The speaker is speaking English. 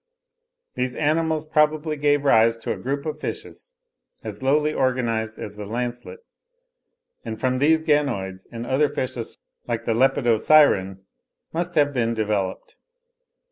These animals probably gave rise to a group of fishes, as lowly organised as the lancelet; and from these the Ganoids, and other fishes like the Lepidosiren, must have been developed.